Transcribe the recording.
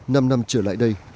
năm năm trở lại đây